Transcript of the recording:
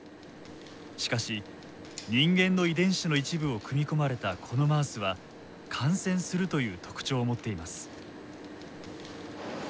しかし人間の遺伝子の一部を組み込まれたこのマウスは感染するという特徴を持っています。